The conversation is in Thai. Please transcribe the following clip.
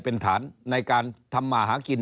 เป็นฐานในการทำมาหากิน